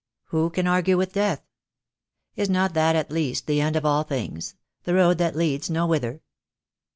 Who can argue with Death? Is not that at least the end of all things — the road that leads no whither?